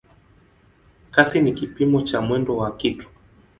Kasi ni kipimo cha mwendo wa kitu.